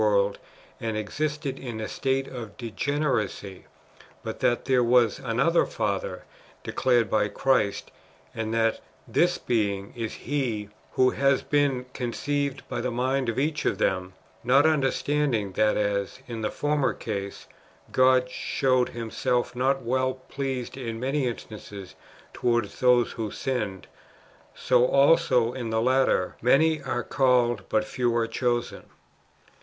world, and existed in a state of degeneracy ; but that there was another Father declared by Christ, and that this Being is He who has been conceived by the mind of each of them ; not understanding that as, in the former case, God showed Himself not well pleased in many instances towards those who sinned, so also in the latter, " many are called, but few are chosen."